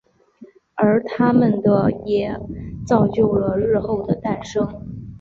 而他们的也造就了日后的诞生。